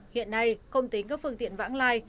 hiện nay không tính các phương tiện vãng lai